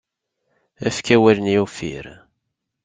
Efk awal-nni uffir.